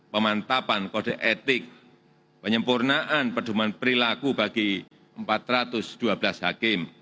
pemantapan kode etik penyempurnaan pedoman perilaku bagi empat ratus dua belas hakim